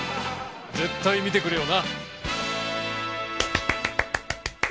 絶対見てくれよな！